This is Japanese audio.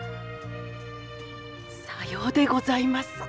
さようでございますか。